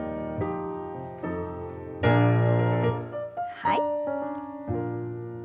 はい。